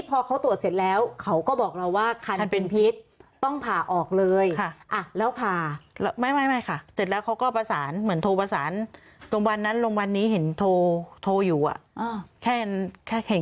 พอตรวจเสร็จแล้วเขาก็บอกเขาก็รู้นะว่าคันตัวเป็นพิษต้องภาออกเลย